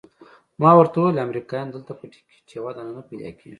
ما ورته وویل امریکایان دلته په ټکټ یو دانه نه پیدا کیږي.